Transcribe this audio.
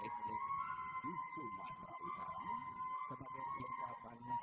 bapak ibu prosesi dengan kari sambe sambi masih berlangsung